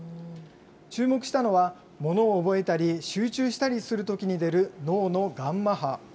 注目したのは、物を覚えたり、集中したりするときに出る脳のガンマ波。